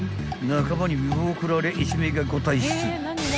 仲間に見送られ１名がご退出］